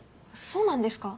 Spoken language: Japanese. そうなんですか？